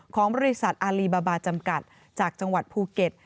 ของบริษัทอารีบาบาจำกัดจากจังหวัดภูเก็ต